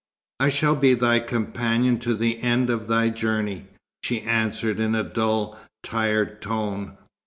"I shall be thy companion to the end of thy journey," she answered in a dull, tired tone.